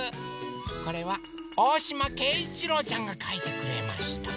これはおおしまけいいちろうちゃんがかいてくれました。